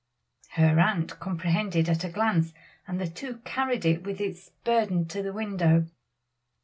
Her aunt comprehended at a glance, and the two carried it with its burden to the window.